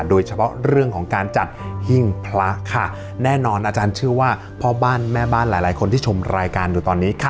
โดยเฉพาะเรื่องของการจัดหิ้งพระค่ะแน่นอนอาจารย์เชื่อว่าพ่อบ้านแม่บ้านหลายคนที่ชมรายการอยู่ตอนนี้